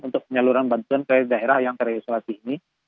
untuk penyaluran bantuan ke daerah yang terisolasi ini